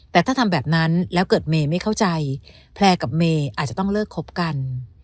แต่ถ้าทำแบบนั้นแล้วเกิดเมย์ไม่เข้าใจแพลร์กับเมย์อาจจะต้องเลิกคบกัน